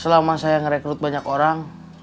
selama saya merekrut banyak orang